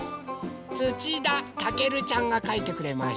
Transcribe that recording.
つちだたけるちゃんがかいてくれました。